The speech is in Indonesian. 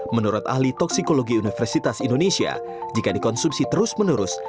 menurut ahli toksikologi universitas indonesia jika dikonsumsi terus menerus